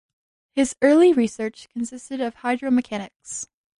His early research consisted of hydromechanics.